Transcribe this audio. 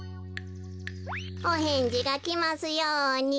おへんじがきますように。